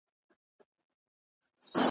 نه یې زرکي په ککړو غولېدلې .